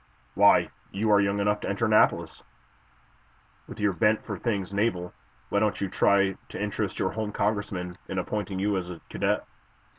Why, you are young enough to enter Annapolis. With your bent for things naval, why don't you try to interest your home Congressman in appointing you as a cadet?"